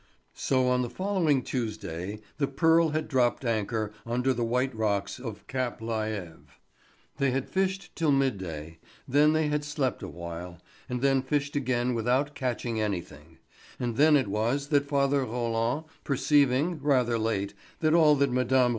So on the following Tuesday the Pearl had dropped anchor under the white rocks of Cape la Hève; they had fished till midday, then they had slept awhile, and then fished again without catching anything; and then it was that father Roland, perceiving, rather late, that all that Mme.